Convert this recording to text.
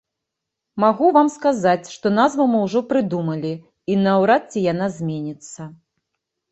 Магу вам сказаць, што назву мы ўжо прыдумалі і наўрад ці яна зменіцца.